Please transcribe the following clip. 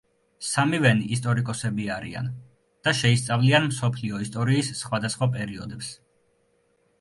სამივენი ისტორიკოსები არიან და შეისწავლიან მსოფლიო ისტორიის სხვადასხვა პერიოდებს.